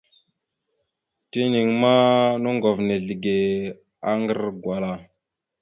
Tenaŋ ma, noŋgov ta nizləge aŋgar gwala.